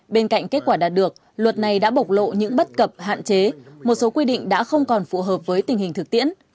bên cạnh kết quả đạt được luật này đã bộc lộ những bất cập hạn chế một số quy định đã không còn phù hợp với tình hình thực tiễn